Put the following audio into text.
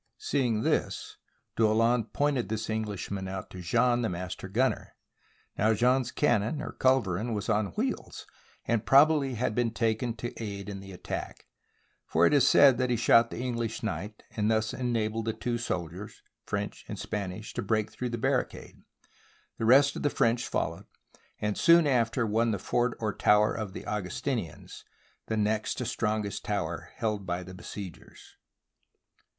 Seeing this D'Au lon pointed this Englishman out to Jean, the mas ter gunner. Now, Jean's cannon or culverin was on wheels, and probably had been taken to aid in the attack ; for it is said that he shot the English knight, and thus enabled the two soldiers (French and Spanish) to break through the barricade. The rest of the French followed, and soon after won the Fort or Tower of the Augustinians — the next to strong est tower held by the besiegers.